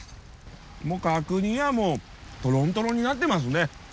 角煮はもうトロントロンになってますね。